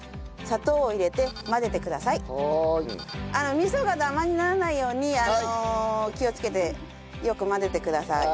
味噌がダマにならないように気をつけてよく混ぜてください。